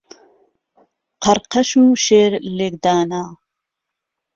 قەرقەش و شێر لێکدانه